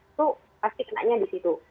itu pasti kenanya disitu